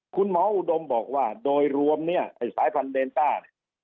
คุณหมออุดมบอกว่าโดยรวมเนี่ยไอ้สายพันธุเดนต้าเนี่ย